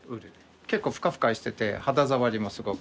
結構ふかふかしてて肌触りもすごく。